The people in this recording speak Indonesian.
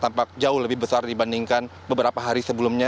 tampak jauh lebih besar dibandingkan beberapa hari sebelumnya